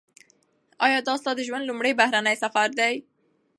ایا دا ستا د ژوند لومړنی بهرنی سفر دی؟